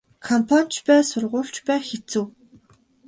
Компани ч бай сургууль ч бай хэцүү.